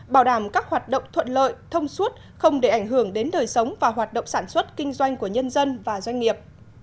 bảo đảm các hoạt động thuận lợi thông suốt không để ảnh hưởng đến đời sống và hoạt động sản xuất kinh doanh của nhân dân và doanh nghiệp